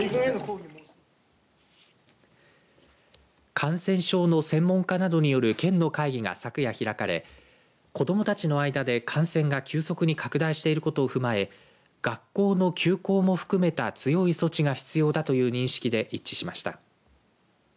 感染症の専門家などによる県の会議が昨夜開かれ子どもたちの間で感染が急速に拡大していることを踏まえ学校の休校も含めた強い措置が必要だという認識で一致しました。